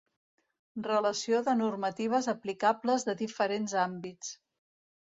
Relació de normatives aplicables de diferents àmbits.